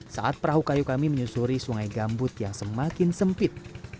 saat perahu kayu kami menyusuri sungai gambut yang semakin sempit